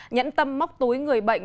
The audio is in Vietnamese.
nhẫn tâm móc túi người bệnh